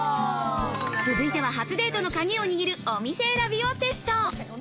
続いては初デートのカギを握る、お店選びをテスト。